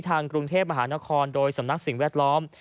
ทางกรุงเทพมหานครโดยสำนักสิ่งแวดล้อม